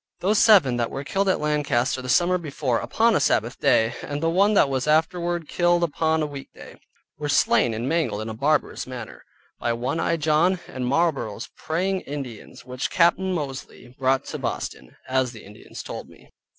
Those seven that were killed at Lancaster the summer before upon a Sabbath day, and the one that was afterward killed upon a weekday, were slain and mangled in a barbarous manner, by one eyed John, and Marlborough's Praying Indians, which Capt. Mosely brought to Boston, as the Indians told me.